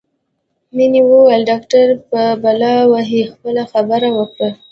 مينې وویل ډاکټر څه په بلا وهې خپله خبره وکړه